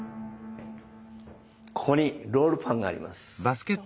ここにロールパンがあります。